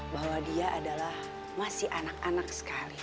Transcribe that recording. bahwa dia adalah masih anak anaknya